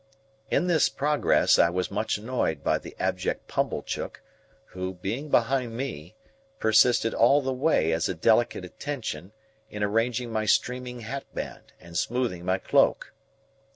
In this progress I was much annoyed by the abject Pumblechook, who, being behind me, persisted all the way as a delicate attention in arranging my streaming hatband, and smoothing my cloak.